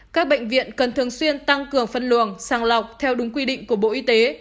các bệnh viện cần thường xuyên tăng cường phân luồng sàng lọc theo đúng quy định của bộ y tế